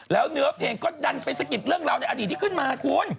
แล้วเนื้อเพลงก็ดันไปสะกิดเรื่องราวในอดีตที่ขึ้นมาคุณ